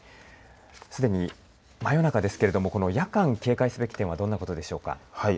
すでに真夜中ですけれども夜間、警戒すべき点はどんなことでしょうか。